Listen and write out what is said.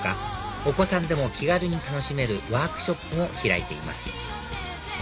お子さんでも気軽に楽しめるワークショップも開いています